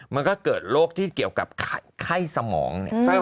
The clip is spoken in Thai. มันก็เกิดโรคที่เกี่ยวกับไข้สมองเนี่ย